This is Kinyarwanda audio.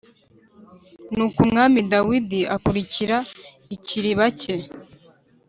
Nuko Umwami Dawidi akurikira ikiriba cye